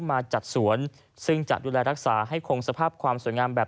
มาจัดสวนซึ่งจะดูแลรักษาให้คงสภาพความสวยงามแบบ